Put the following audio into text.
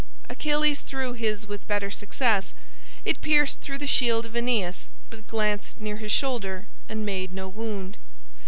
Achilles threw his with better success. It pierced through the shield of Aeneas, but glanced near his shoulder and made no wound.